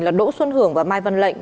là đỗ xuân hưởng và mai văn lệnh